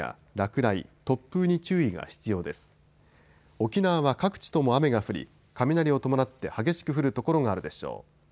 沖縄は各地とも雨が降り雷を伴って激しく降る所があるでしょう。